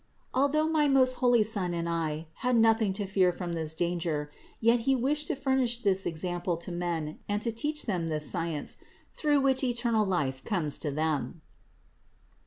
Although my most holy Son and I had nothing to fear from this danger, yet He wished to furnish this example to men and to teach them this science, through which eternal life comes to them.